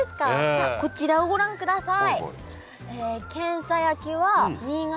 さあこちらをご覧ください。